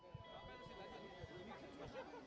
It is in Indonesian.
pak ada rencana silat